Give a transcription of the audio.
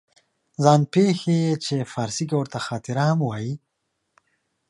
ځان پېښې چې فارسي کې ورته خاطره هم وایي